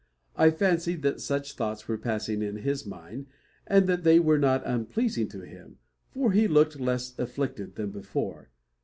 I fancied that such thoughts were passing in his mind, and that they were not unpleasing to him, for he looked less afflicted than before.